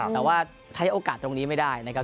แต่ว่าใช้โอกาสตรงนี้ไม่ได้นะครับ